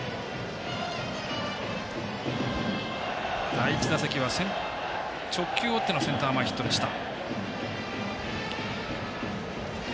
第１打席は直球を打ってのセンター前ヒットでした。